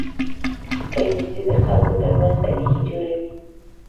انګلیسي د خلکو ترمنځ اړیکه جوړوي